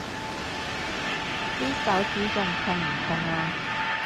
啲手指仲痛唔痛啊？